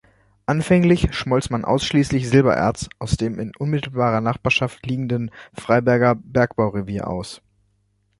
Anfänglich schmolz man ausschließlich Silbererz aus dem in unmittelbarer Nachbarschaft liegenden Freiberger Bergbaurevier aus.